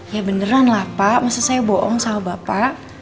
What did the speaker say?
ya beneran lah pak maksud saya bohong sama bapak